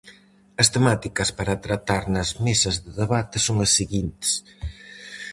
As temáticas para tratar nas mesas de debate son as seguintes: